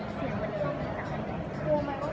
มันเป็นสิ่งที่จะให้ทุกคนรู้สึกว่า